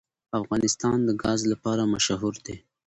افغانستان د ګاز لپاره مشهور دی.